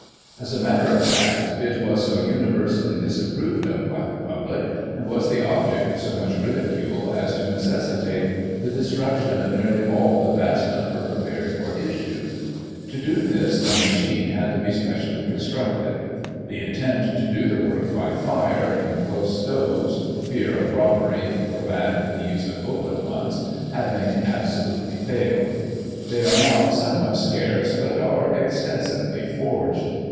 As a matter of fact, it was so universally disapproved of by the public, and was the object of so much ridicule, as to 9* Digiti ized by Google 132 GOSSIP. [1840 necessitate the destruction of nearly all the vast number pre pared for issue. To do this, a machine had to be specially constructed; the attempt to do the work by fire, in close stoves (fear of robbery forbade the use of open ones), having absolutely failed. They are now somewhat scarce, but are extensively forged.